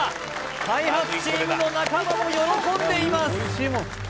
開発チームの仲間も喜んでいます